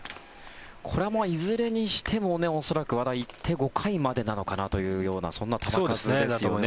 これはいずれにしても恐らく和田行って５回までなのかなというそんな球数ですよね。